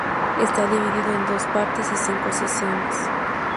Está dividido en dos partes y cinco secciones.